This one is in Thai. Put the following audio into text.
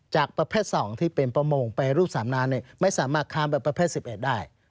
ประเภท๒ที่เป็นประมงไปรูปสามนานไม่สามารถค้ามไปประเภท๑๑ได้